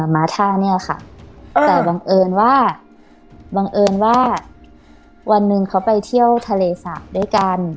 มาท่าเนี่ยค่ะแต่บังเอิญว่าบังเอิญว่าวันหนึ่งเขาไปเที่ยวทะเลสาบด้วยกัน